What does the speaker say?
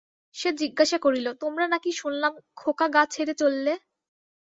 সে জিজ্ঞাসা করিল-তোমরা নাকি শোনলাম খোকা গা ছেড়ে চল্লে?